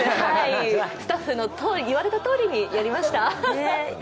スタッフの言われたとおりにやりました。